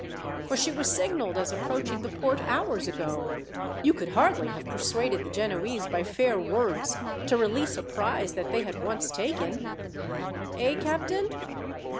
For she was signalled as approaching the port hours ago. You could hardly have persuaded the Genoese by fair words to release a prize that they had once taken. "Eh, captain?"